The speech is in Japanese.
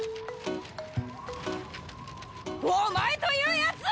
お前というやつはぁ！